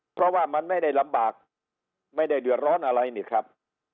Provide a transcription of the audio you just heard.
เพราะว่ามันไม่ได้ลำบากไม่ได้เดือดร้อนอะไรนี่ครับ